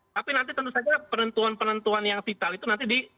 tapi nanti tentu saja penentuan penentuan yang vital itu nanti di